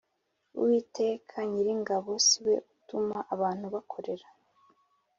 Uwiteka Nyiringabo si we utuma abantu bakorera